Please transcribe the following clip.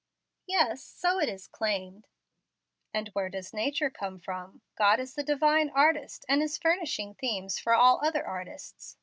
"Yes, so it is claimed." "And where does nature come from? God is the Divine Artist, and is furnishing themes for all other artists.